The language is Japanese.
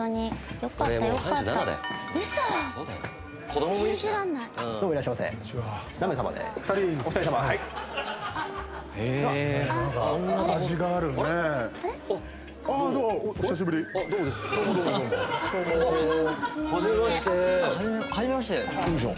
よいしょ。